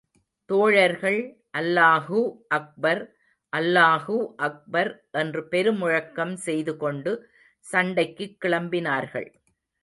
தோழர்கள் அல்லாஹூ அக்பர், அல்லாஹூ அக்பர் என்று பெரு முழக்கம் செய்து கொண்டு சண்டைக்குக் கிளம்பினார்கள்.